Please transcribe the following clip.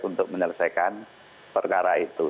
untuk menyelesaikan perkara itu